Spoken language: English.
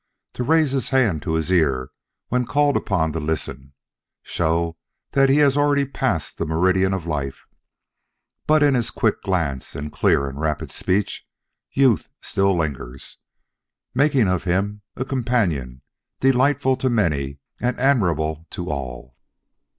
to raise his hand to his ear when called upon to listen, show that he has already passed the meridian of life; but in his quick glance, and clear and rapid speech, youth still lingers, making of him a companion delightful to many and admirable to all.